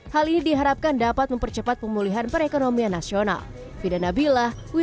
hal ini diharapkan dapat mempercepat pemulihan perekonomian nasional